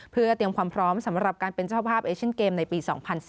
เพื่อเตรียมความพร้อมสำหรับการเป็นเจ้าภาพเอเชียนเกมในปี๒๐๑๙